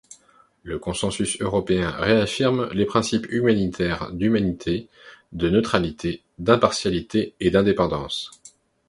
Le Consensus européen réaffirme les principes humanitaires d'humanité, de neutralité, d'impartialité et d'indépendance.